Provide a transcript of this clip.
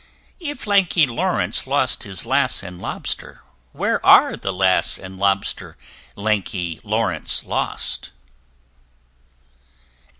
If Lanky Lawrence lost his Lass and Lobster, Where are the Lass and Lobster Lanky Lawrence lost?